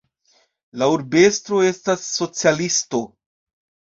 La urbestro estas socialisto.